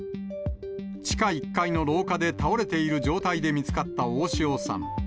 地下１階の廊下で倒れている状態で見つかった大塩さん。